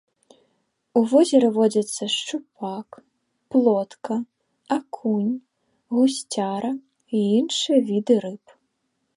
У возеры водзяцца шчупак, плотка, акунь, гусцяра і іншыя віды рыб.